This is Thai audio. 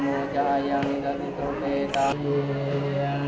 ทุติยังปิตพุทธธาเป็นที่พึ่ง